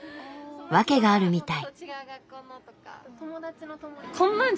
訳があるみたい。